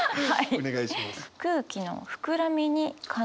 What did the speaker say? お願いします。